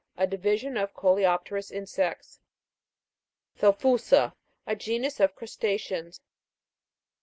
A division of coleopterous insects. THELPHU'SA. A genus of crusta' ceans.